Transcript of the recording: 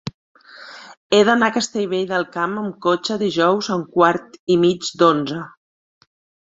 He d'anar a Castellvell del Camp amb cotxe dijous a un quart i mig d'onze.